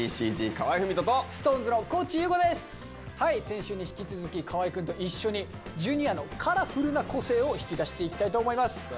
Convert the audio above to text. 先週に引き続き河合くんと一緒にＪｒ．のカラフルな個性を引き出していきたいと思います。